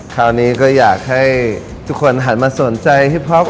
คราวนี้ก็อยากให้ทุกคนหันมาสนใจพี่ป๊อก